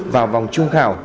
vào vòng chung khảo